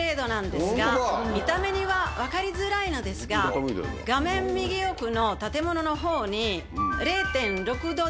見た目には分かりづらいのですが画面右奥の建物の方に。